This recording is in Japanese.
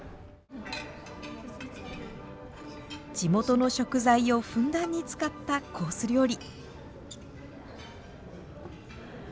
地元の食材をふんだんに使ったコース料理。